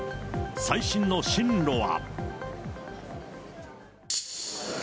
最新の進路は。